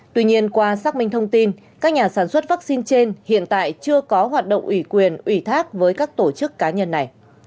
tuy nhiên qua xác minh thông tin các nhà sản xuất vaccine trên hiện tại chưa có hoạt động ủy quyền ủy thác với các tổ chức cá nhân này